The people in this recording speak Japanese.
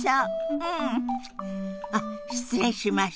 うん！あっ失礼しました。